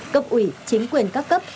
cập ủy chính quyền các cấp